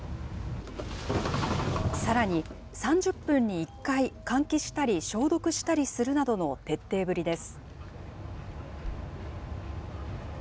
さらに、３０分に１回、換気したり、消毒したりするなどの徹底ぶりです。